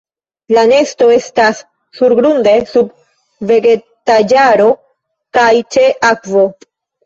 La nesto estas surgrunde sub vegetaĵaro kaj ĉe akvo.